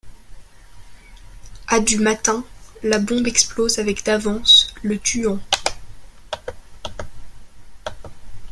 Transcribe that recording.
À du matin, la bombe explose avec d'avance, le tuant.